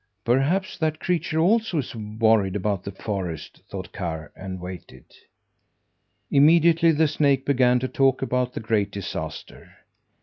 "Perhaps that creature also, is worried about the forest," thought Karr, and waited. Immediately the snake began to talk about the great disaster.